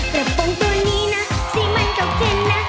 ประป๋องตัวนี้นะสีมันต้องเท่นนะ